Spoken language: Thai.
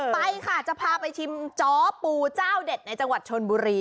ไปค่ะจะพาไปชิมจอปูเจ้าเด็ดในจังหวัดชนบุรี